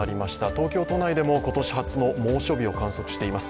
東京都内でも今年初の猛暑日を観測しています。